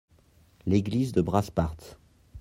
l'église de Brasparts.